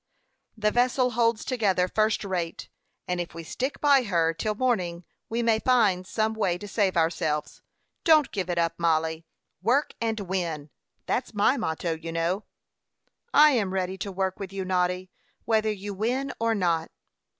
"The vessel holds together first rate, and if we stick by her till morning, we may find some way to save ourselves. Don't give it up, Mollie. Work and win; that's my motto, you know." "I am ready to work with you, Noddy, whether you win or not."